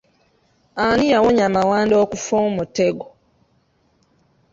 Ani yawonya Mawanda okufa omutego?